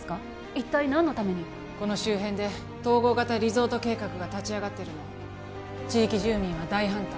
一体何のためにこの周辺で統合型リゾート計画が立ち上がってるの地域住民は大反対